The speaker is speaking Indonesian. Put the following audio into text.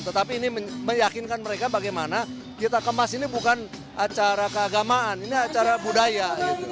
tetapi ini meyakinkan mereka bagaimana kita kemas ini bukan acara keagamaan ini acara budaya